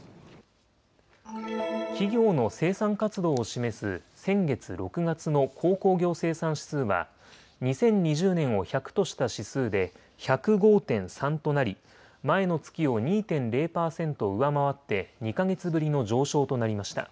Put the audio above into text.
企業の生産活動を示す先月６月の鉱工業生産指数は２０２０年を１００とした指数で１０５．３となり前の月を２．０％上回って２か月ぶりの上昇となりました。